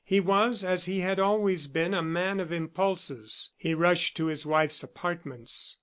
He was, as he had always been, a man of impulses. He rushed to his wife's apartments.